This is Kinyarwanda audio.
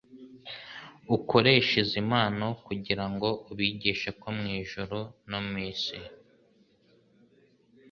Ukoreshe izi mpano kugira ngo ubigishe ko mu ijuru no mu isi